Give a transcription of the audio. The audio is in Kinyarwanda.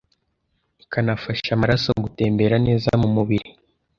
ikanafasha amaraso gutembera neza mu mubiri